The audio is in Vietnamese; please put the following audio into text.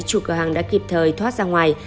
chủ cửa hàng đã kịp thời thoát ra ngoài